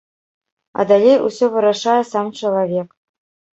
А далей усё вырашае сам чалавек.